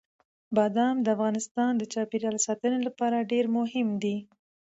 بادام د افغانستان د چاپیریال ساتنې لپاره ډېر مهم دي.